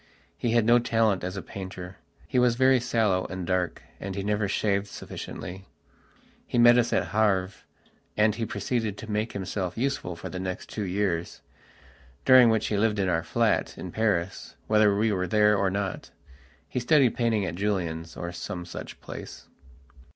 He had no talent as a painter. He was very sallow and dark, and he never shaved sufficiently. He met us at Havre, and he proceeded to make himself useful for the next two years, during which he lived in our flat in Paris, whether we were there or not. He studied painting at Julien's, or some such place....